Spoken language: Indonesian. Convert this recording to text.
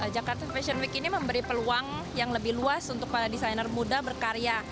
jakarta fashion week ini memberi peluang yang lebih luas untuk para desainer muda berkarya